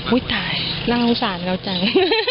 อุ๊ยตายนั่งสารเราจัง